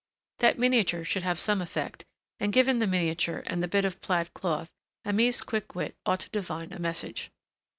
That miniature should have some effect, and given the miniature, and the bit of plaid cloth, Aimée's quick wit ought to divine a message.